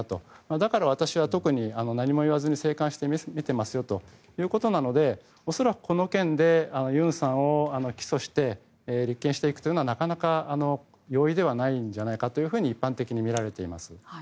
だから私は特に何も言わずに静観して見ていますよということなので恐らく、この件でユンさんを起訴して立件していくというのはなかなか容易ではないんじゃないかと一般的に見られています。